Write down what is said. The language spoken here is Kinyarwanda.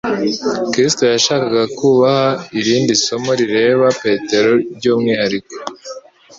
Kristo yashakaga kubaha irindi somo rireba Petero by'umwihariko.